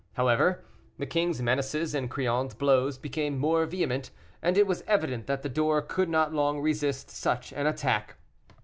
However, the king's menaces and Crillon's blows became more vehement, and it was evident that the door could not long resist such an attack.